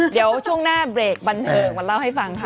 เดี๋ยวช่วงหน้าเบรกบันเทิงมาเล่าให้ฟังค่ะ